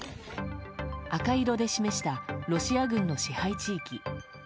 赤色で示したロシア軍の支配地域。